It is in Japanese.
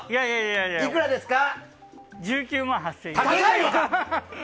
いくらですか？